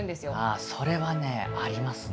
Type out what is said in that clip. ああそれはねありますね。